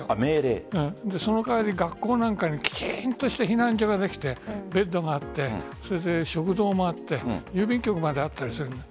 その代わり学校なんかにきちんとした避難所ができてベッドがあって、食堂もあって郵便局まであったりする。